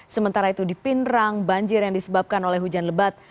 sementara itu di pindrang banjir yang disebabkan oleh hujan lebat